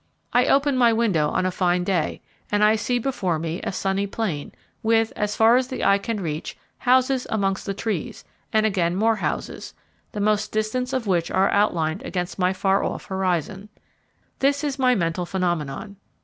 I open my window on a fine day, and I see before me a sunny plain, with, as far as the eye can reach, houses amongst the trees, and again more houses, the most distant of which are outlined against my far off horizon. This is my mental phenomenon.